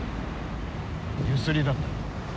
ゆすりだったら？